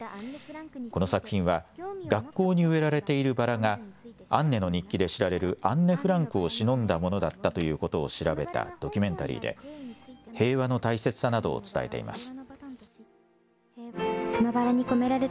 この作品は学校に植えられているバラがアンネの日記で知られるアンネ・フランクをしのんだものだったということを調べたドキュメンタリーで平和の大切さなどを伝えています。